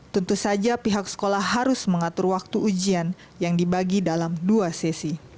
tentu saja pihak sekolah harus mengatur waktu ujian yang dibagi dalam dua sesi